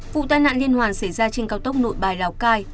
vụ tai nạn liên hoàn xảy ra trên cao tốc nội bài lào cai